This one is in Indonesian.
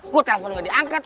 gue telpon gak diangkat